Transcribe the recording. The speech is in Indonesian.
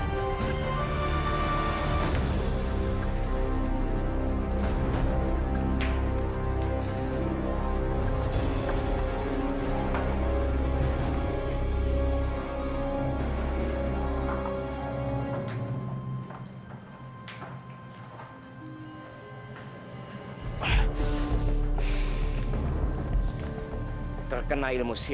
nggak ada yang nunggu